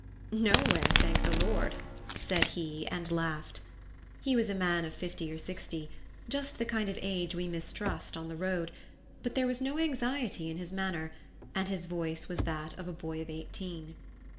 "Nowhere, thank the Lord!" said he, and laughed. He was a man of fifty or sixty just the kind of age we mistrust on the road but there was no anxiety in his manner, and his voice was that of a boy of eighteen.